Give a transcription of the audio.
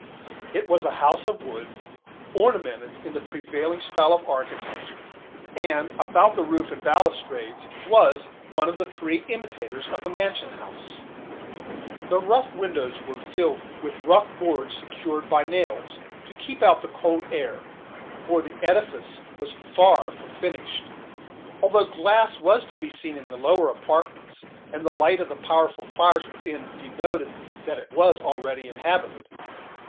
It was a house of wood, ornamented in the prevailing style of architecture, and about the roof and balustrades was one of the three imitators of the mansion house. The upper windows were filled with rough boards secured by nails, to keep out the cold air for the edifice was far from finished, although glass was to be seen in the lower apartments, and the light of the powerful fires within de noted that it was already inhabited.